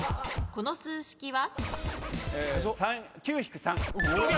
この数式は？